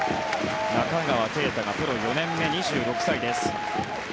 中川圭太がプロ４年目２６歳です。